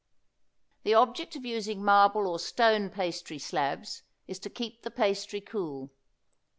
The object of using marble or stone pastry slabs is to keep the pastry cool.